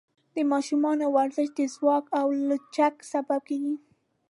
د ماشومانو ورزش د ځواک او لچک سبب دی.